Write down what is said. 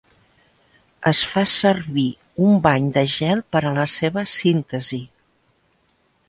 Es fa servir un bany de gel per a la seva síntesi.